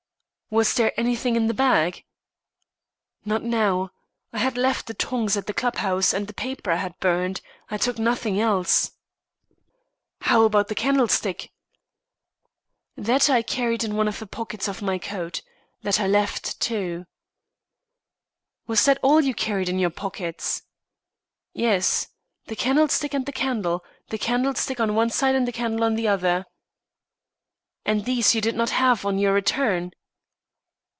"Was there anything in the bag?" "Not now. I had left the tongs at the club house, and the paper I had burned. I took nothing else." "How about the candlestick?" "That I carried in one of the pockets of my coat. That I left, too." "Was that all you carried in your pockets?" "Yes the candlestick and the candle. The candlestick on one side and the candle on the other." "And these you did not have on your return?"